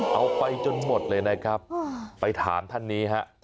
เอาไปจนหมดเลยนะครับไปถามท่านนี้ฮะ